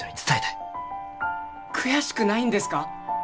悔しくないんですか？